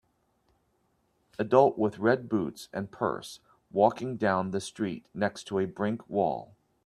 adult with red boots and purse walking down the street next to a brink wall.